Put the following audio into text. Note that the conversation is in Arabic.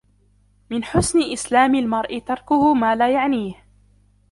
مِنْ حُسْنِ إِسْلاَمِ الْمَرْءِ تَرْكُهُ مَا لاَ يَعْنِيهِ